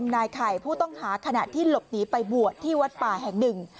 นายไข่ผู้ต้องหาขณะที่หลบหนีไปบวชที่วัดป่าแห่งหนึ่ง